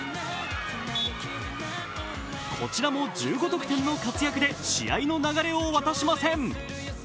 こちらも１５得点の活躍で試合の流れを渡しません。